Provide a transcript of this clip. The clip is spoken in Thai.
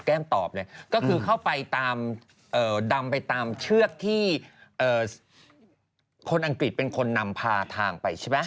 ตอบเนี่ยก็คือเข้าไปตามดำไปตามเชือกที่คนอังกฤษเป็นคนนำพาทางไปใช่ไหม